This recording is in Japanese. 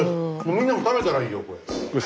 みんなも食べたらいいよこれ。